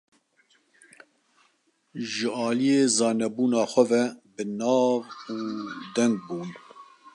Ji aliyê zanebûna xwe ve bi nav û deng bûn.